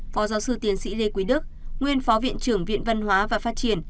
phó giáo sư tiến sĩ lê quý đức nguyên phó viện trưởng viện văn hóa và phát triển